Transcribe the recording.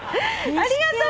ありがとう！